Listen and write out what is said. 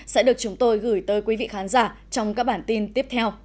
sẽ được chúng tôi gửi tới quý vị khán giả trong các bản tin tiếp theo